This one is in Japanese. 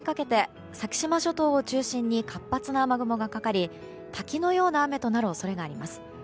明日の朝にかけて先島諸島を中心に活発な雨雲がかかり、滝のような雨となる恐れがあります。